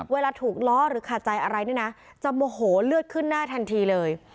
เวลาถูกล้อหรือขาดใจอะไรเนี่ยนะจะโมโหเลือดขึ้นหน้าทันทีเลย